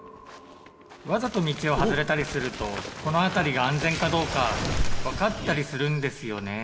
わざと道を外れたりするとこの辺りが安全かどうか分かったりするんですよねぇ。